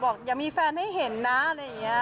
อย่ามีแฟนให้เห็นนะอะไรอย่างนี้